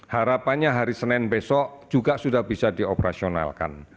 harapannya hari senin besok juga sudah bisa dioperasionalkan